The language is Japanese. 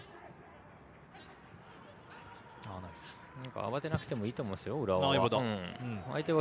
慌てなくてもいいと思いますよ、浦和は。